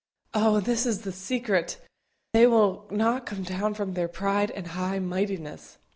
Oh! this is the secret they will not come down from their pride and high mightiness.